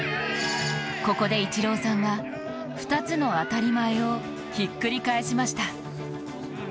ここでイチローさんが二つの当たり前をひっくり返しました。